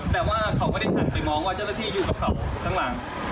แต่ว่าเขาไม่ได้หันไปมองว่าเจ้าหน้าที่อยู่กับเขาข้างหลัง